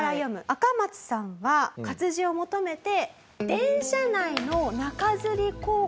アカマツさんは活字を求めて。